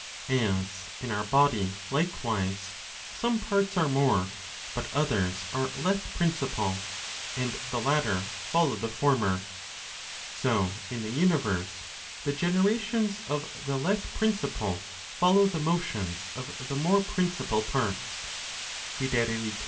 As in our body likewise, some parts are more, but others are less principal, and the latter follow the former, so in the universe, the genera¬ tions of the less principal follow the motions of the more principal parts, viz.